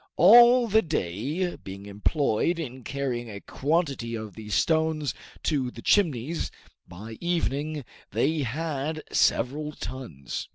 All the day being employed in carrying a quantity of these stones to the Chimneys, by evening they had several tons.